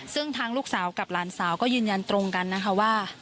ซึ่งทางลูกสาวกับหลานสาวก็ยืนยันตรงกันนะคะว่า